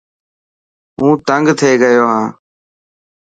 هون تنگ ٿييگيو هان.